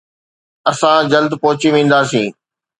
اسان جلد پهچي وينداسين